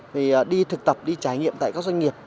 thì đi thực tập đi trải nghiệm tại các doanh nghiệp